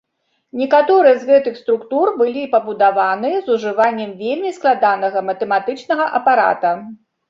Некаторыя з гэтых структур былі пабудаваны з ужываннем вельмі складанага матэматычнага апарата.